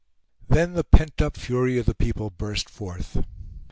Then the pent up fury of the people burst forth.